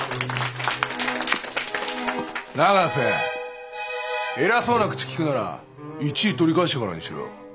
永瀬偉そうな口きくなら１位取り返してからにしろ。